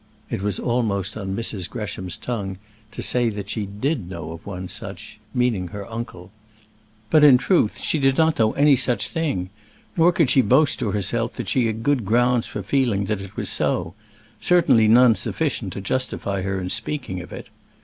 It was almost on Mrs. Gresham's tongue to say that she did know of one such meaning her uncle. But in truth, she did not know any such thing; nor could she boast to herself that she had good grounds for feeling that it was so certainly none sufficient to justify her in speaking of it.